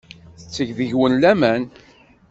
Tetteg deg-wen laman.